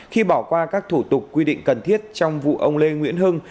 khi bỏ qua các thủ tục quy định cần thiết trong vụ ông lê nguyễn hưng